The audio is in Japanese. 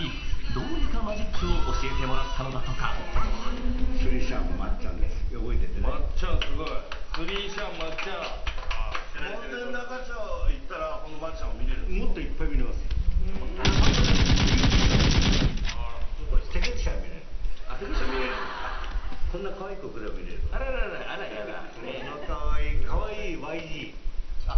どうにかマジックを教えてもらったのだとかあららあらやだ。